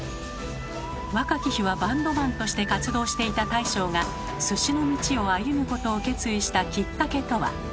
若き日はバンドマンとして活動していた大将が鮨の道を歩むことを決意したきっかけとは？